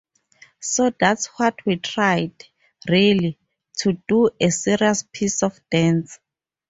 So that's what we tried, really, to do a serious piece of dance.